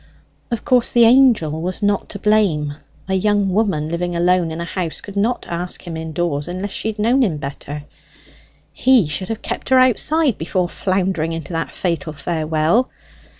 Of course the Angel was not to blame a young woman living alone in a house could not ask him indoors unless she had known him better he should have kept her outside before floundering into that fatal farewell.